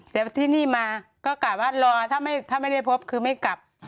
เดี๋ยวที่นี่มาก็กะว่ารอถ้าไม่ได้พบคือไม่กลับ